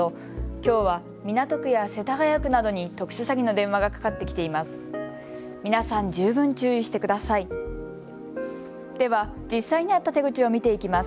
きょうは港区や世田谷区などに特殊詐欺の電話がかかってきています。